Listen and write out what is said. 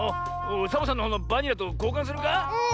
サボさんのほうのバニラとこうかんするか？